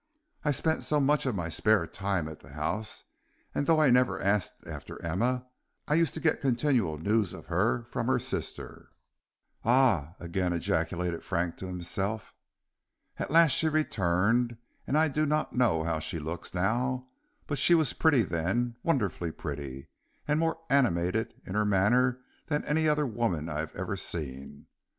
I spent much of my spare time at the house, and though I never asked after Emma, I used to get continual news of her from her sister." "Ah!" again ejaculated Frank to himself. "At last she returned, and I do not know how she looks now, but she was pretty then, wonderfully pretty, and more animated in her manner than any other woman I have ever seen.